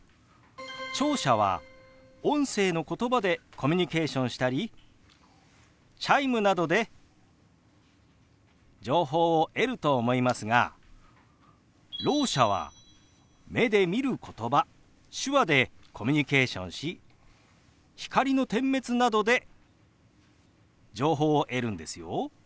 聴者は音声のことばでコミュニケーションしたりチャイムなどで情報を得ると思いますがろう者は目で見ることば手話でコミュニケーションし光の点滅などで情報を得るんですよ。